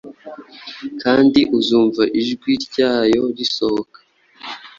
kandi uzumva ijwi ryayo Sohoka,